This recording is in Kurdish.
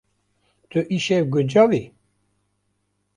Tu îşev guncav î?